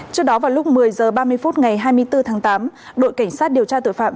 trước đó vào lúc một mươi h ba mươi phút ngày hai mươi bốn tháng tám đội cảnh sát điều tra tội phạm